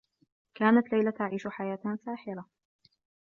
كانت ليلى تعيش حياة ساحرة.